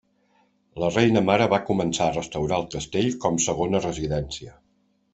La Reina Mare va començar a restaurar el castell com segona residència.